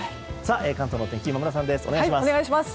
関東の天気、今村さんです。